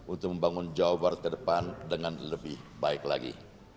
untuk membangun jawa barat ke depan dengan lebih baik lagi